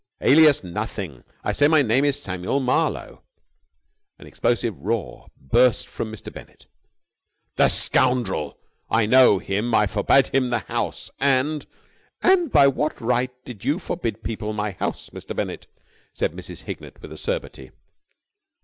"Alias nothing! I say my name is Samuel Marlowe...." An explosive roar burst from Mr. Bennett. "The scoundrel! I know him! I forbade him the house, and...." "And by what right did you forbid people my house, Mr. Bennett?" said Mrs. Hignett with acerbity.